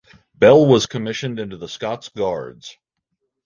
Bell was commissioned into the Scots Guards.